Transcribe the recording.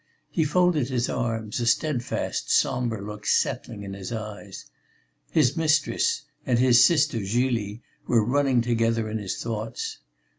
He folded his arms, a steadfast, sombre look settling in his eyes. His mistress and his sister Julie were running together in his thoughts.